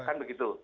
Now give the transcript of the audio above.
ya kan begitu